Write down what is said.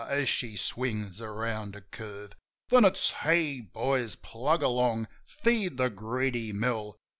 as she swings around a curve. Then it's: Hey, boys! Plug ahead! Feed the greedy mill